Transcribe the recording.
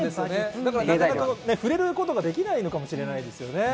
なかなか触れることができないのかもしれないですね。